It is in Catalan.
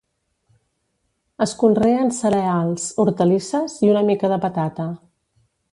Es conreen cereals, hortalisses i una mica de patata.